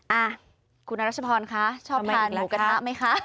อ่ะคุณอรัชพรคะชอบทานหมูกระทะไหมคะ